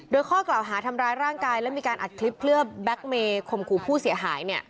โดยข้อกล่าวหาทำร้ายร่างกายและมีการอัดคลิปเพื่อแบ็คเมย์ข่มขู่ผู้เสียหาย